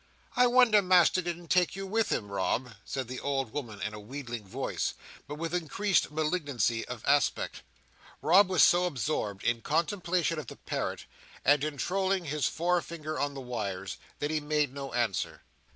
"I wonder Master didn't take you with him, Rob," said the old woman, in a wheedling voice, but with increased malignity of aspect. Rob was so absorbed in contemplation of the parrot, and in trolling his forefinger on the wires, that he made no answer.